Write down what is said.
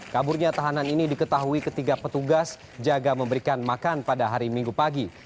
kaburnya tahanan ini diketahui ketiga petugas jaga memberikan makan pada hari minggu pagi